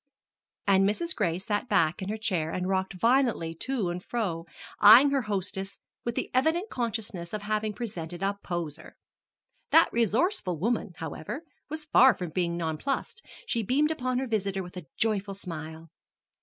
And Mrs. Gray sat back in her chair and rocked violently to and fro, eying her hostess with the evident consciousness of having presented a poser. That resourceful woman, however, was far from being nonplussed; she beamed upon her visitor with a joyful smile.